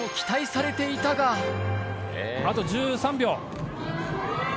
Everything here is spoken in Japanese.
されていたがあと１３秒。